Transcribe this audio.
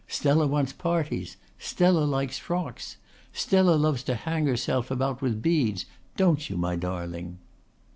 Stella wants parties. Stella likes frocks. Stella loves to hang herself about with beads, don't you, my darling?"